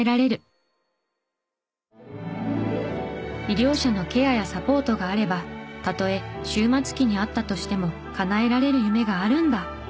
医療者のケアやサポートがあればたとえ終末期にあったとしても叶えられる夢があるんだ。